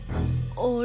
「あれ？